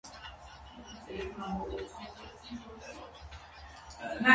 Հայ դասական նկարիչների ավագ ներկայացուցիչ։